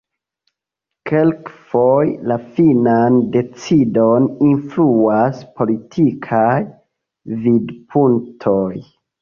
Kelkfoje la finan decidon influas politikaj vidpunktoj.